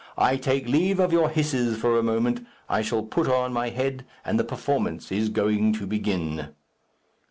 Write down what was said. I take leave of your hisses for a moment. I shall put on my head, and the performance is going to begin."